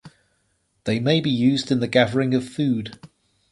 They may be used in the gathering of food.